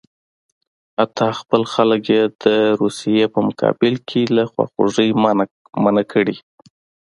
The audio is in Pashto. حتی خپل خلک یې د روسیې په مقابل کې له خواخوږۍ منع کړي.